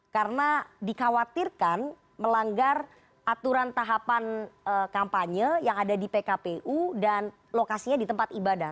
karena dikhawatirkan melanggar aturan tahapan kampanye yang ada di pkpu dan lokasinya di tempat ibadah